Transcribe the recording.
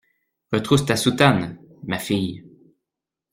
Retrousse ta soutane, ma fille.